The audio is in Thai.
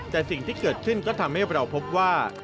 แต่สิ่งที่เกิดขึ้นก็ทำให้เราพบว่า